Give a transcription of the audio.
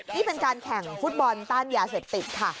นี่เป็นการแข่งฟุตบอลต้านยาเสพติดค่ะ